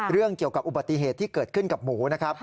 เรื่องเกี่ยวกับอุบัติเหตุที่เกิดขึ้นกับหมูนะครับ